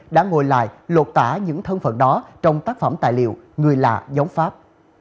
đã ngồi lại lột tả những thân phận đó trong tác phẩm tài liệu người lạ giống pháp